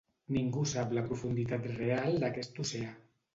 Ningú sap la profunditat real d'aquest oceà.